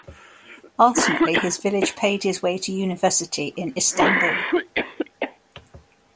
Ultimately, his village paid his way to university in Istanbul.